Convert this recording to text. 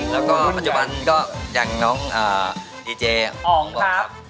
แล้วก็ปัจจุบันก็อย่างน้องดีเจองบอกว่า